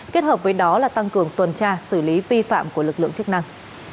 kết hợp với đó là tăng cường tuần tra xử lý vi phạm của lực lượng chức năng